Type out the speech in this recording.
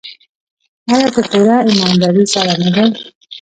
آیا په پوره ایمانداري سره نه دی؟